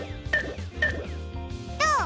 どう？